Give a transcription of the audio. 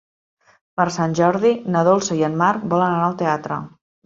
Per Sant Jordi na Dolça i en Marc volen anar al teatre.